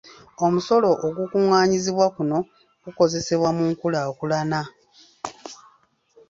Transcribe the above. Omusolo ogukungaanyizibwa kuno gukozesebwa mu nkulaakulana.